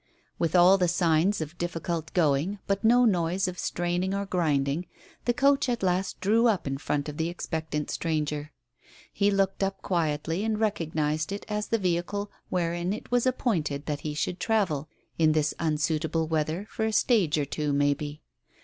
With all the signs of difficult going, but no noise of straining or grinding, the coach at last drew up in front of the expectant passenger. He looked up quietly, and recognized it as the vehicle wherein it was appointed that he should travel in this unsuitable weather for a stage or two, maybe.